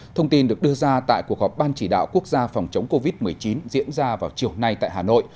thông tin được đưa ra tại cuộc họp ban chỉ đạo quốc gia phòng chống covid một mươi chín diễn ra vào chiều nay tại hà nội